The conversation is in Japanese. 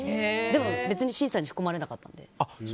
でも別に審査に含まれなかったので。